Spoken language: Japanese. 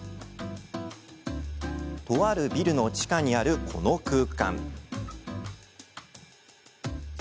とあるビルの地下にあるこの空間。